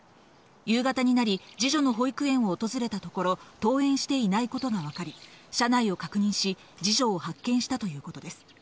夕方になり二女の保育園を訪れたところと登園していないことがわかり、車内を確認し、二女を発見したということです。